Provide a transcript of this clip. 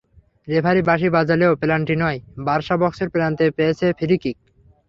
Referee বাঁশি বাজালেও penalty নয়, বার্সা বক্সের প্রান্তে পেয়েছে ফ্রি কিক।